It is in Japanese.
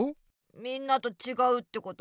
みんなとちがうってこと？